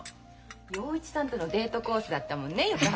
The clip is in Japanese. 洋一さんとのデートコースだったもんね横浜。